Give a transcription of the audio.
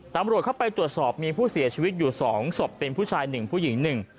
ตำรวจเข้าไปตรวจสอบมีผู้เสียชีวิตอยู่สองศพเป็นผู้ชายหนึ่งผู้หญิงหนึ่ง